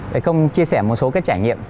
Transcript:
để công chia sẻ một số cái trải nghiệm